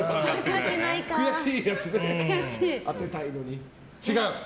悔しいやつね、当てたいのに。